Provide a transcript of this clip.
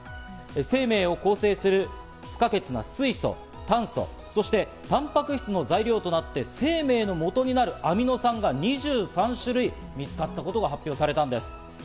生命を構成するのに不可欠な水素・炭素、そしてタンパク質の材料となって、生命のもとになるアミノ酸が２３種類見つかったことが発表されたんです。